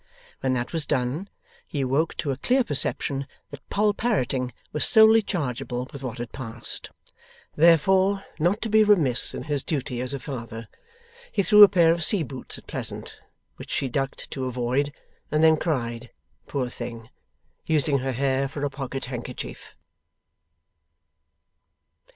When that was done, he awoke to a clear perception that Poll Parroting was solely chargeable with what had passed. Therefore, not to be remiss in his duty as a father, he threw a pair of sea boots at Pleasant, which she ducked to avoid, and then cried, poor thing, using her hair for a pocket handkerchief.